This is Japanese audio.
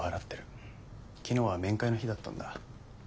昨日は面会の日だったんだ。